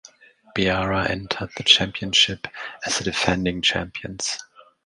Beara entered the championship as the defending champions.